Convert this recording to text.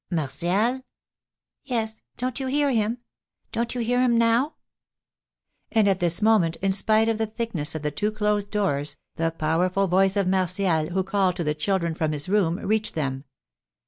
"Martial?" "Yes; don't you hear him? Don't you hear him now?" And at this moment, in spite of the thickness of the two closed doors, the powerful voice of Martial, who called to the children from his room, reached them.